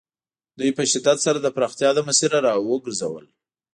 دوی په شدت سره د پراختیا له مسیره را وګرځول.